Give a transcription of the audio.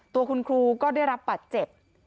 ตัวคุณครูก็ได้รับบาดเจ็บ